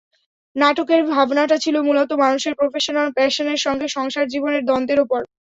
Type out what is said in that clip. নাটকের ভাবনাটা ছিল মূলত মানুষের প্রফেশনাল প্যাশনের সঙ্গে সংসার জীবনের দ্বন্দ্বের ওপর।